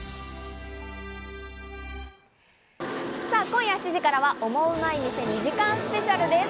今夜７時からは『オモウマい店』２時間スペシャルです。